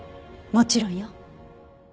もちろんよ。